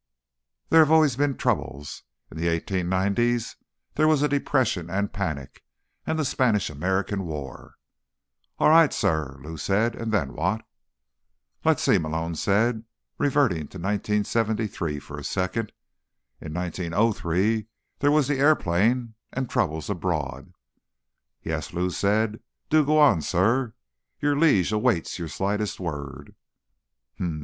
There have always been troubles. In the 1890's there was a Depression and panic, and the Spanish American War—" "All right, Sirrah," Lou said. "And then what?" "Let's see," Malone said, reverting to 1973 for a second. "In 1903 there was the airplane, and troubles abroad." "Yes?" Lou said. "Do go on, Sirrah. Your liege awaits your slightest word."